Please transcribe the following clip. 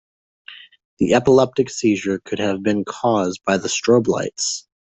The epileptic seizure could have been cause by the strobe lights.